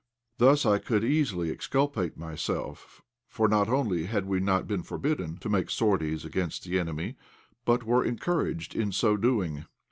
Thus I could easily exculpate myself, for not only had we not been forbidden to make sorties against the enemy, but were encouraged in so doing.